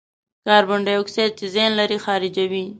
کاربن دای اکساید چې زیان لري، خارجوي.